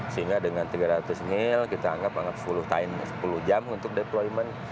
sehingga dengan tiga ratus mil kita anggap sepuluh jam untuk deployment